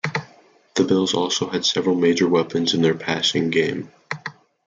The Bills also had several major weapons in their passing game.